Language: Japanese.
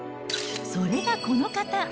それがこの方。